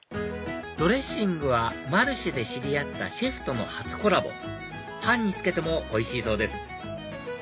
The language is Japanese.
ドレッシングはマルシェで知り合ったシェフとの初コラボパンにつけてもおいしいそうです